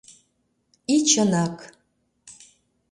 И чынак.